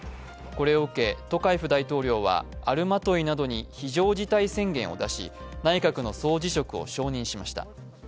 これを受け、トカエフ大統領はアルマトイなどに非常事態宣言を出し内閣の総辞職を承認しました。